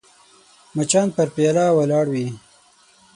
مچان پر پیاله ولاړ وي